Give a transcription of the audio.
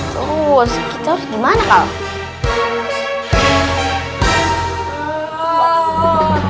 terus gimana kalau